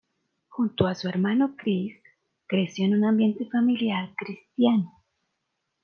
Junto a su hermano Chris, creció en un ambiente familiar cristiano.